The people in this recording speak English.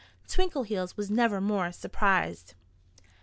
Twinkleheels was never more surprised.